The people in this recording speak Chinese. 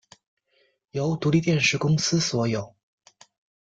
由独立电视公司所有。